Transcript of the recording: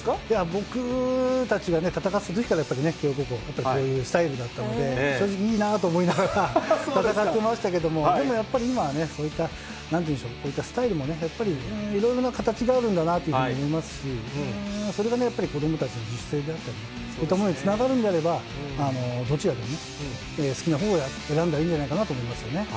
僕たちが戦ってたときから、慶応高校、ちょっとこういうスタイルだったので、正直、いいなと思いながら、戦ってましたけど、でもやっぱり、今はね、そういったなんていうんでしょう、こういったスタイルもね、やっぱりいろいろな形があるんだなというふうに思いますし、それがやっぱり、子どもたちの自主性であったり、そういったものにつながるのであれば、どちらでも好きなほうを選んだらいいんじゃないかなと思いますよね。